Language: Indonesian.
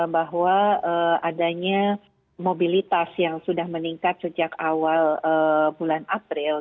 bahwa adanya mobilitas yang sudah meningkat sejak awal bulan april